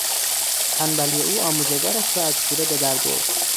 تنبلی او آموزگارش را از کوره بدر برد.